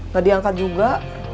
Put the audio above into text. gak diangkat juga